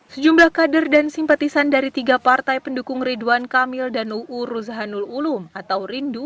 sejumlah kader dan simpatisan dari tiga partai pendukung ridwan kamil dan uu ruzanul ulum atau rindu